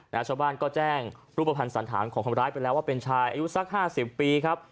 ชาวบ้านก็แจ้งรูปภัณฑ์สันธารของคนร้ายไปแล้วว่าเป็นชายอายุสักห้าสิบปีครับ